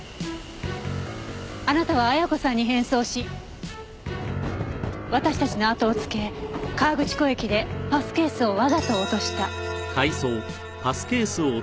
あなたは亜矢子さんに変装し私たちのあとをつけ河口湖駅でパスケースをわざと落とした。